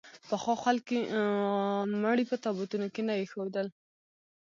پخوا خلکو مړي په تابوتونو کې نه اېښودل.